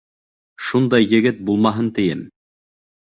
Шундай егет булмаһын, тием.